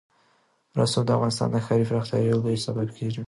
رسوب د افغانستان د ښاري پراختیا یو لوی سبب کېږي.